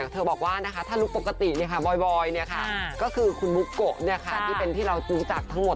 เธอบอกว่าถ้าลุคปกติบอยก็คือคุณบุโกะที่เป็นที่เรารู้จักทั้งหมด